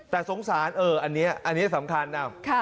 แต่สงสารอันนี้สำคัญนะครับ